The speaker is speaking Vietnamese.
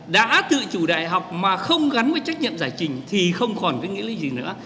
đã tự chủ đại học mà không gắn với trách nhiệm giải trình thì không còn với nghĩa lý gì nữa